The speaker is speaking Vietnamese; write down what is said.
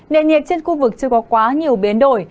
nền nhiệt trên khu vực chưa có quá nhiều biến đổi